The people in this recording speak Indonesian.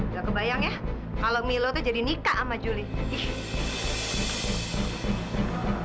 gak kebayang ya kalau milo tuh jadi nikah sama julie